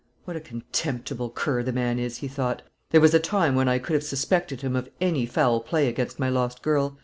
"What a contemptible cur the man is!" he thought. "There was a time when I could have suspected him of any foul play against my lost girl.